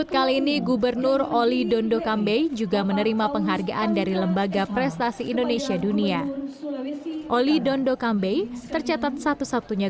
kedua sektor ini menjadi pendong kerasa